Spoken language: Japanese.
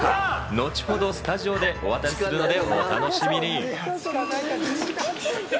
後ほどスタジオでお渡しするので、お楽しみに。